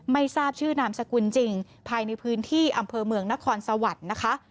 ไม่ทราบชื่อนามสกุลจริงภายในพื้นที่อำเภอเมืองนครสวรรค์นะคะ